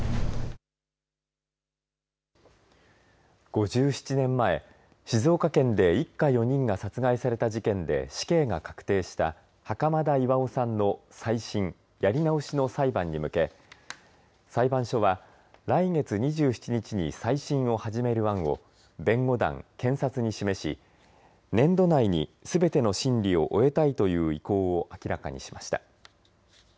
５７年前、静岡県で一家４人が殺害された事件で死刑が確定した袴田巌さんの再審、やり直しの裁判に向け裁判所は来月２７日に再審を始める案を弁護団、検察に示し年度内に、すべての審理を終えたいという意向を明らかにしました。